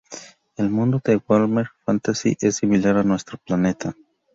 El mundo de "Warhammer Fantasy" es similar a nuestro planeta.